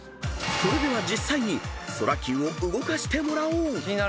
［それでは実際にＳＯＲＡ−Ｑを動かしてもらおう］